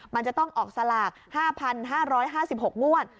มันจะต้องออกสลาก๕๕๖งวด